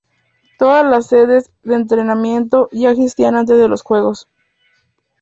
Todas las sedes de entrenamiento ya existían antes de los Juegos.